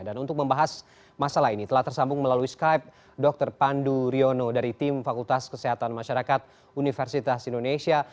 dan untuk membahas masalah ini telah tersambung melalui skype dr pandu riono dari tim fakultas kesehatan masyarakat universitas indonesia